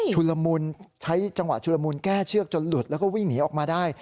ละมุนใช้จังหวะชุลมูลแก้เชือกจนหลุดแล้วก็วิ่งหนีออกมาได้